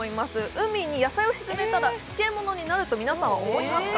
海に野菜を沈めたら、漬物になると皆さん思いますか？